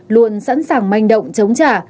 luôn sẵn sàng manh động chống trả